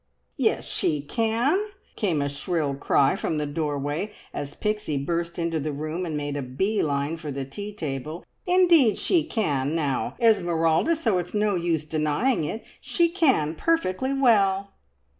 "Yes, she can!" came a shrill cry from the doorway, as Pixie burst into the room and made a bee line for the tea table. "Indeed she can now, Esmeralda, so it's no use denying it. She can, perfectly well!"